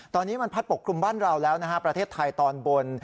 ตอนนี้มันพัดปกคลุมบ้านเราแล้วนะฮะประเทศไทยตอนบน